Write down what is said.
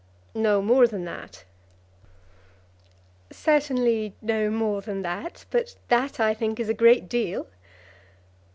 "No more than that?" "Certainly no more than that; but that I think is a great deal."